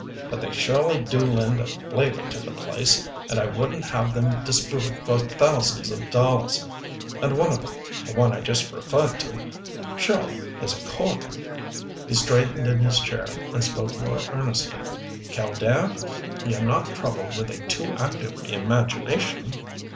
But they surely do lend a flavor to the place and I wouldn't have them disproved for thousands of dollars. And one of them the one I just referred to surely is a corker." He straightened in his chair, and spoke more earnestly. "Killdare, you're not troubled with a too active imagination?"